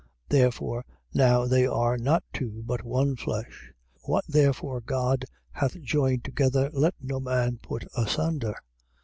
Therefore now they are not two, but one flesh. 10:9. What therefore God hath joined together, let no man put asunder.